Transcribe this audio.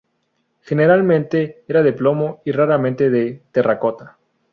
Generalmente era de plomo y raramente de terracota.